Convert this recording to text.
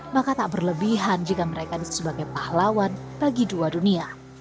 maka tak berlebihan jika mereka sebagai pahlawan bagi dua dunia